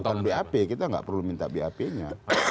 bukan bap kita nggak perlu minta bap nya